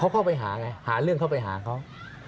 เขาเข้าไปหาไงหาเรื่องเข้าไปหาเขา